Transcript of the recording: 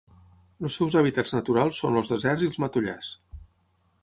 Els seus hàbitats naturals són els deserts i els matollars.